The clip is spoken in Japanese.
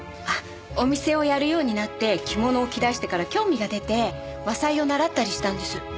お店をやるようになって着物を着だしてから興味が出て和裁を習ったりしたんです。